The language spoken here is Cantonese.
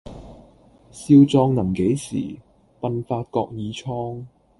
少壯能几時，鬢發各已蒼。